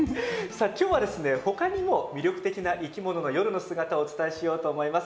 今日は他にも魅力的な生き物の夜の姿をお伝えしようと思います。